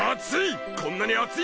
熱い！